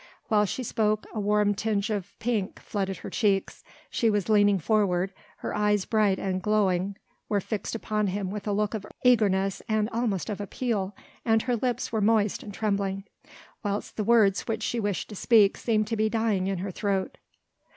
While she spoke a warm tinge of pink flooded her cheeks; she was leaning forward, her eyes bright and glowing were fixed upon him with a look of eagerness and almost of appeal, and her lips were moist and trembling, whilst the words which she wished to speak seemed to be dying in her throat.